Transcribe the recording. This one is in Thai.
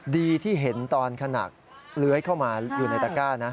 ดีที่เห็นตอนขนาดเลื้อยเข้ามาอยู่ในตะก้านะ